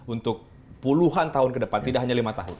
untuk puluhan tahun ke depan tidak hanya lima tahun